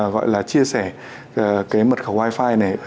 gọi là chia sẻ cái mật khẩu wifi này